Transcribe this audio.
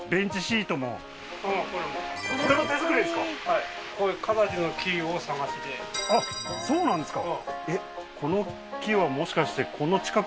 はいあっそうなんですか